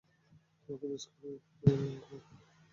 তোমাকে মিস করি, লংক্ল।